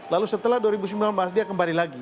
lalu setelah dua ribu sembilan belas dia kembali lagi